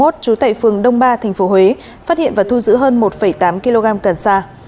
trú tại phường đông ba tp huế phát hiện và thu giữ hơn một tám kg cần sa